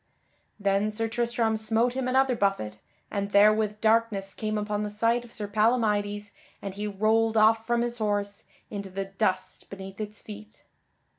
Then Sir Tristram smote him another buffet, and therewith darkness came upon the sight of Sir Palamydes and he rolled off from his horse into the dust beneath its feet.